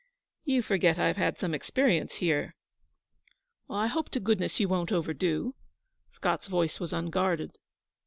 'You forget I've had some experience here.' 'I hope to goodness you won't overdo.' Scott's voice was unguarded.